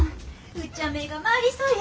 うっちゃあ目が回りそうや。